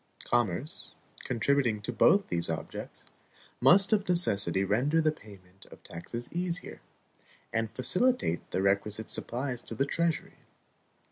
Commerce, contributing to both these objects, must of necessity render the payment of taxes easier, and facilitate the requisite supplies to the treasury.